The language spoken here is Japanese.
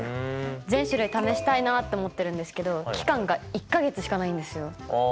全種類試したいなって思ってるんですけど期間が１か月しかないんですよ。